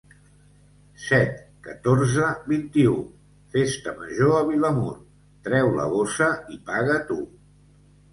Set, catorze, vint-i-u: Festa Major a Vilamur. Treu la bossa i paga tu!